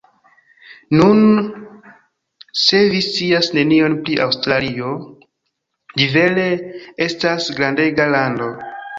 Nun, se vi scias nenion pri Aŭstralio, ĝi vere estas grandega lando.